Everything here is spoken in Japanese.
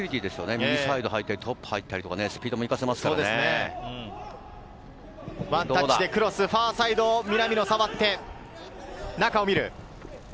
右サイドに入ったりトップ入ったりスピードも生かせまワンタッチでクロス、ファーサイド南野触って、中を見る。